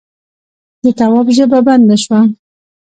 د تواب ژبه بنده شوه: